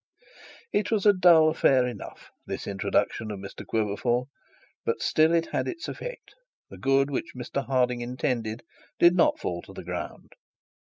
It was a dull affair enough, this introduction of Mr Quiverful; but still it had its effect. The good which Mr Harding intended did not fall to the ground.